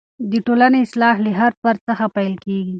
د ټولنې اصلاح له هر فرد څخه پیل کېږي.